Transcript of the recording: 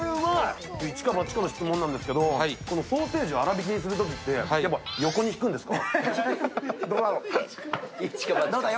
一か八かの質問ですけど、ソーセージ粗びきにするとき横にひくんですか？